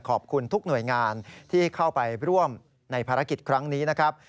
ขอบคุณทุกหน่วยงานที่เข้าไปร่วมในภารกิจครั้งนี้นะครับ